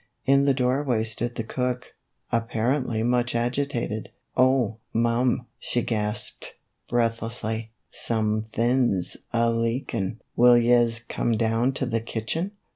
In the doorway stood the cook, apparently much agitated. " Oh, mum," she gasped, breathlessly, " somethin's a leakin' ! Will yez come down to the kitchen